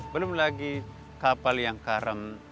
belum lagi kapal yang karam